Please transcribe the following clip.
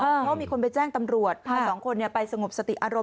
เพราะว่ามีคนไปแจ้งตำรวจสองคนเนี่ยไปสงบสติอารมณ์